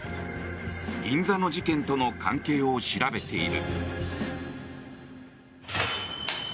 銀座の事件との関係を調べている。